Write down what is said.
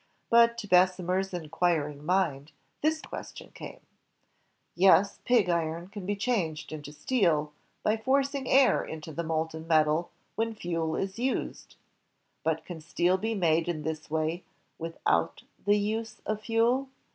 But to Bessemer's in HENRY BESSEMER 177 quiring mind, this question came: "Yes, pig iron can be changed into steel by forcing air into the molten metal when fuel is used; but can steel be made in this way, without the use of fuel?"